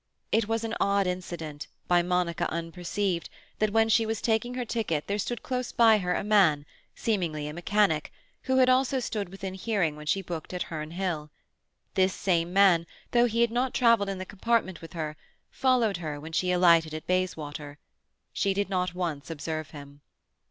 It was an odd incident, by Monica unperceived, that when she was taking her ticket there stood close by her a man, seemingly a mechanic, who had also stood within hearing when she booked at Herne Hill. This same man, though he had not travelled in the compartment with her, followed her when she alighted at Bayswater. She did not once observe him.